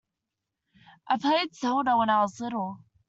I played Zelda when I was little.